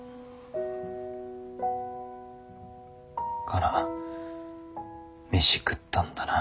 カナ飯食ったんだな。